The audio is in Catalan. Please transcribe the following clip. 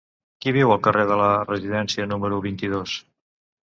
Qui viu al carrer de la Residència número vint-i-dos?